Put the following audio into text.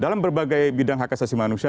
dalam berbagai bidang hak asasi manusia